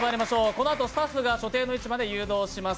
このあとスタッフが所定の位置まで誘導します。